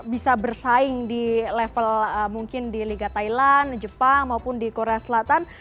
bisa bersaing di level mungkin di liga thailand jepang maupun di korea selatan